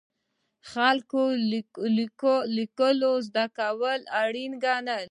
خلک د لیکلو زده کړه اړینه ګڼله.